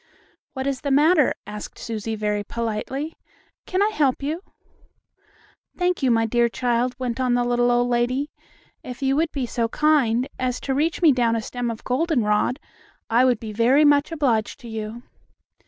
"What is the matter?" asked Susie very politely. "Can I help you?" "Thank you, my dear child," went on the little old lady. "If you would be so kind as to reach me down a stem of goldenrod, I would be very much obliged to you."